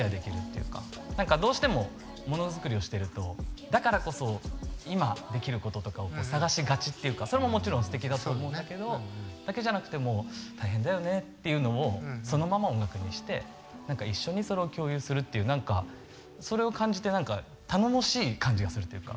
何かどうしてもものづくりをしているとだからこそ今できることとかを探しがちっていうかそれももちろんすてきだと思うんだけどだけじゃなくて大変だよねっていうのをそのまま音楽にして何か一緒にそれを共有するって何かそれを感じて頼もしい感じがするっていうか。